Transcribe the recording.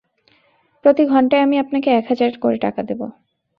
প্রতি ঘন্টায় আমি আপনাকে এক হাজার করে টাকা দেব।